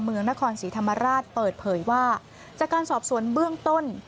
เมืองนครศรีธรรมราชเปิดเผยว่าจากการสอบสวนเบื้องต้น